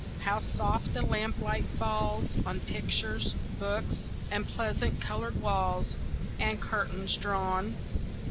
How soft the lamplight falls On pictures, books, And pleasant coloured walls And curtains drawn!